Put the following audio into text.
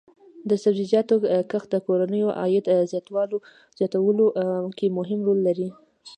د سبزیجاتو کښت د کورنیو عاید زیاتولو کې مهم رول لري.